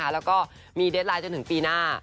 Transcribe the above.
แล้วก็มีเดสไลน์จนถึงปีหน้า